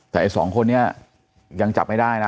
แต่ไอ้สองคนนี้ยังจับไม่ได้นะ